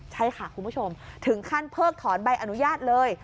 ใช่ค่ะคุณผู้ชมถึงขั้นเพิกถอนใบอนุญาตเลย